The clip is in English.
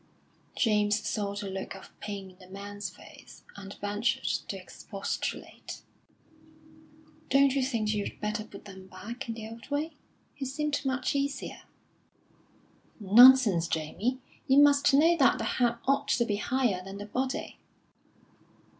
James saw the look of pain in the man's face, and ventured to expostulate. "Don't you think you'd better put them back in the old way? He seemed much easier." "Nonsense, Jamie. You must know that the head ought to be higher than the body."